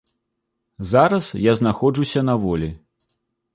Зараз я знаходжуся на волі.